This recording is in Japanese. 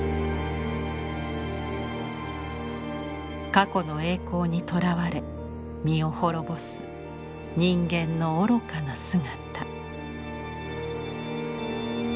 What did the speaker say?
過去の栄光にとらわれ身を滅ぼす人間の愚かな姿。